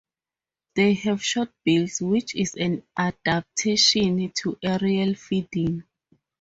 They have short bills, which is an adaptation to aerial feeding.